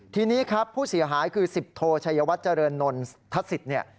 ทีนี้ครับผู้เสียหายคือสิบโทชัยวัตรเจริญนทศิษย์